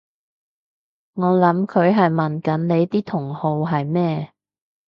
我諗佢係問緊你啲同好係咩？